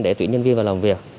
để tuyển nhân viên vào làm việc